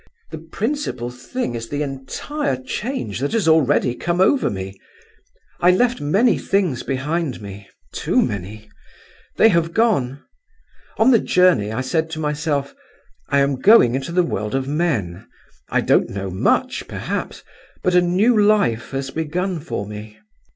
The principal thing is the entire change that has already come over me. I left many things behind me—too many. They have gone. On the journey I said to myself, 'I am going into the world of men. I don't know much, perhaps, but a new life has begun for me.